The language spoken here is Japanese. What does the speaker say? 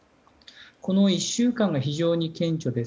この１週間が非常に顕著です。